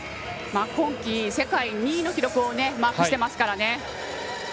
今季、世界２位の記録をマークしていますから。